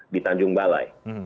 di tanjung balai